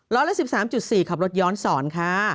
ละ๑๓๔ขับรถย้อนสอนค่ะ